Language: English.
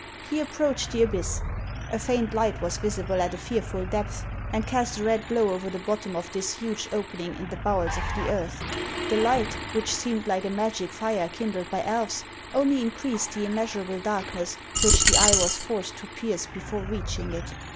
He approached the abyss. A HANS OF ICELAND. 341 faint light was visible at a fearful depth, and cast a red glow over the bottom of this* huge opening in the bowels of the earth. The light, which seemed like a magic fire kindled by elves, only increased the immea surable darkness which the eye was forced to pierce before reaching it.